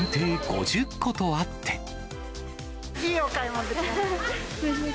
いいお買い物ができました。